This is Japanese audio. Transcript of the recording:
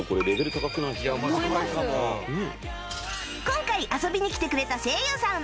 今回遊びに来てくれた声優さん